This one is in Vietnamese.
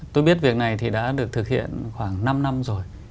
tôi biết việc này thì đã được thực hiện khoảng năm năm rồi